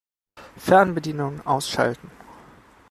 Fernbedienung ausschalten.